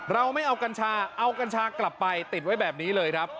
เราไม่เอากัญชาเอากัญชากลับไปติดไว้แบบนี้เลยครับ